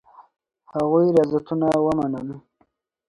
هغوی ریاضتونه ومنل.